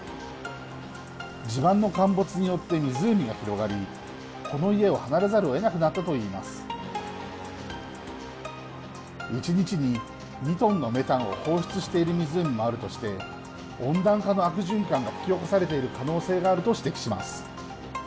地盤の陥没によって湖が広がりこの家を離れざるをえなくなったといいます一日に２トンのメタンを放出している湖もあるとして温暖化の悪循環が引き起こされている可能性があると指摘します。